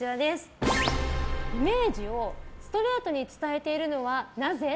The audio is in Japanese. イメージをストレートに伝えているのはなぜ？